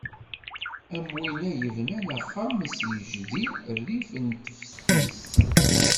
Am winna i yebnan axxam s yijdi rrif n teftis.